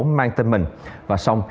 mang tên mình và xong